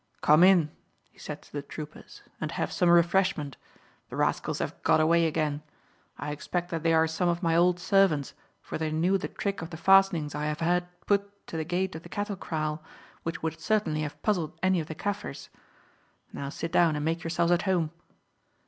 "Come in," he said to the troopers, "and have some refreshment. The rascals have got away again. I expect that they are some of my old servants, for they knew the trick of the fastenings I have had put to the gate of the cattle kraal, which would certainly have puzzled any of the Kaffirs. Now sit down and make yourselves at home."